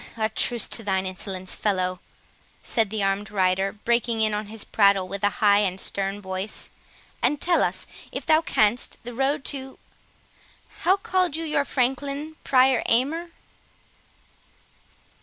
"A truce to thine insolence, fellow," said the armed rider, breaking in on his prattle with a high and stern voice, "and tell us, if thou canst, the road to—How call'd you your Franklin, Prior Aymer?"